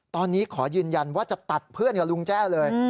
ตอนนี้ขอยืนยันว่าจะตัดเพื่อนกับลุงแจ้เลย